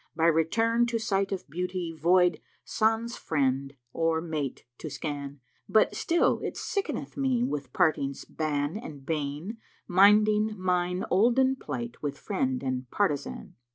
by return * To site of beauty void sans friend or mate to scan: But still it sickeneth me with parting's ban and bane * Minding mine olden plight with friend and partisan."